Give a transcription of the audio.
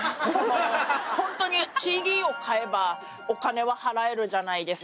ホントにＣＤを買えばお金は払えるじゃないですか。